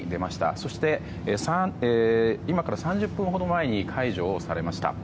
そして、今から３０分ほど前に解除されました。